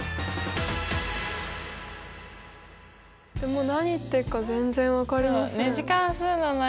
もう何言ってるか全然分かりません。